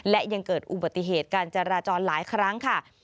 และยังเกิดอุบัติเหตุการจราจรหลายครั้งค่ะ